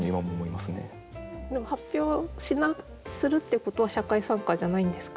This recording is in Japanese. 発表するっていうことは社会参加じゃないんですか？